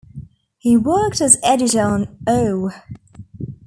He worked as editor on Oh!